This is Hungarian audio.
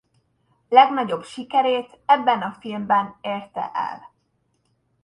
Legnagyobb sikerét ebben a filmben érte el.